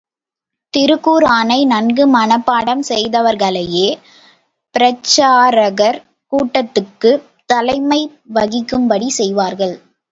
திருக்குர்ஆனை நன்கு மனப்பாடம் செய்தவர்களையே பிரச்சாரகர் கூட்டத்துக்குத் தலைமை வகிக்கும்படி செய்வார்கள்.